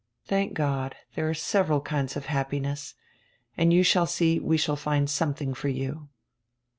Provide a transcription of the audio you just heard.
Thank God, there are several kinds of happiness. And you shall see, we shall find sometiiing for you."